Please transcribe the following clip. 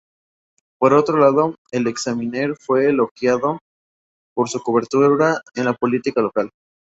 Por otro lado, el "Examiner" fue elogiado por su cobertura de la política local.